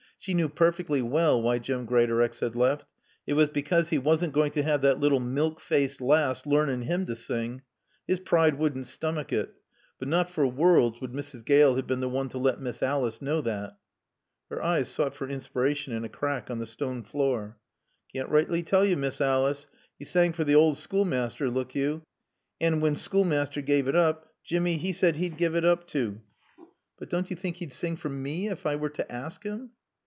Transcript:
She knew perfectly well why Jim Greatorex had left. It was because he wasn't going to have that little milk faced lass learning him to sing. His pride wouldn't stomach it. But not for worlds would Mrs. Gale have been the one to let Miss Alice know that. Her eyes sought for inspiration in a crack on the stone floor. "I can't rightly tall yo', Miss Olice. 'E sang fer t' owd schoolmaaster, look yo, an' wann schoolmaaster gaave it oop, Jimmy, 'e said 'e'd give it oop too." "But don't you think he'd sing for me, if I were to ask him?"